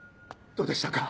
どうでしたか？